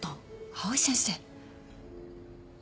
藍井先生。